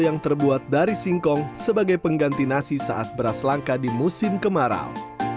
yang terbuat dari singkong sebagai pengganti nasi saat beras langka di musim kemarau